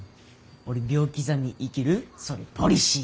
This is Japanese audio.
俺秒刻み生きるそれポリシー